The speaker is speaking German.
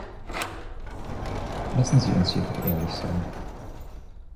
Lassen Sie uns jedoch ehrlich sein.